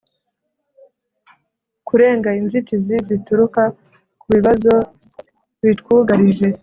kurenga inzitizi zituruka ku bibazo bitwugarije